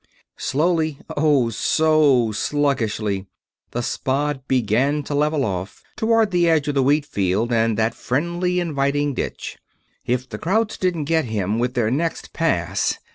Slowly oh, so sluggishly the Spad began to level off, toward the edge of the wheatfield and that friendly, inviting ditch. If the krauts didn't get him with their next pass....